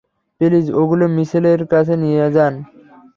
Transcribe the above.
Please ওগুলো মিশেলের কাছে নিয়ে যান।